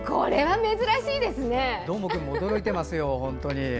どーもくんも驚いてますよ。